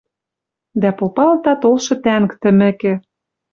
Дӓ попалта толшы тӓнг тӹмӹкӹ: